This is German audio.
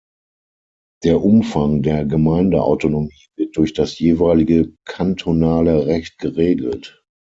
Der Umfang der Gemeindeautonomie wird durch das jeweilige kantonale Recht geregelt.